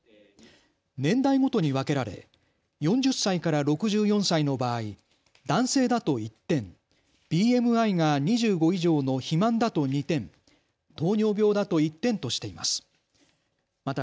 年代ごとに分けられ、４０歳から６４歳の場合、男性だと１点、ＢＭＩが２５以上の肥満だと２点、糖尿病だと１点としています。